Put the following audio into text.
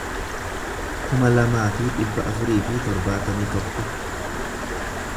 kuma lamaa fi dhibba afurii fi torbaatamii tokko